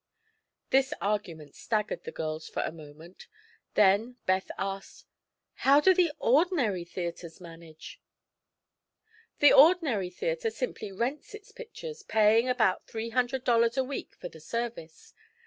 This argument staggered the girls for a moment. Then Beth asked: "How do the ordinary theatres manage?" "The ordinary theatre simply rents its pictures, paying about three hundred dollars a week for the service.